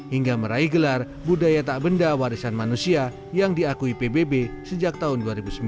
hingga meraih gelar budaya tak benda warisan manusia yang diakui pbb sejak tahun dua ribu sembilan